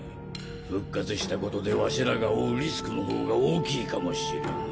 復活したことでわしらが負うリスクの方が大きいかもしれん。